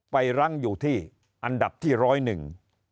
รั้งอยู่ที่อันดับที่ร้อยหนึ่ง